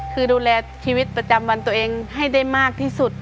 คือดูแลชีวิตประจำวันตัวเองให้ได้มากที่สุด